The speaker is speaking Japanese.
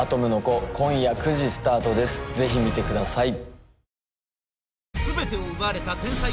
ぜひ見てください